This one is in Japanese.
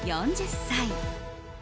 ４０歳。